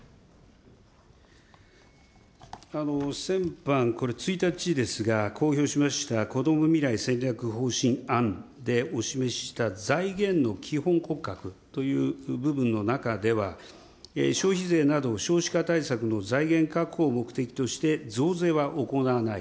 先般、これ、１日ですが、公表しました、こども未来戦略方針案でお示した財源の基本骨格という部分の中では、消費税など少子化対策の財源確保を目的として増税は行わない。